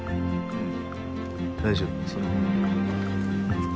うん。